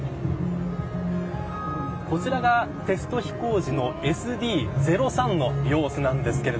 こちらがテスト飛行時のＳＤ−０３の様子です。